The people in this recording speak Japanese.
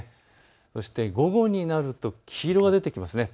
そして午後になると黄色が出てきますね。